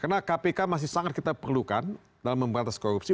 karena kpk masih sangat kita perlukan dalam membatas korupsi